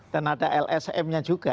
dan ada lsm nya juga